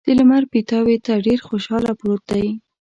د لمر پیتاوي ته ډېر خوشحاله پروت دی.